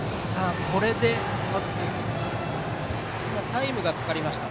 タイムがかかりました。